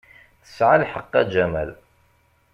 Tesɛa lḥeqq, a Jamal.